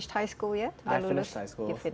sudah lulus sekolah tinggi